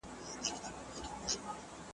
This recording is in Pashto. دا د خپل ولس، ژبې او فرهنګ سره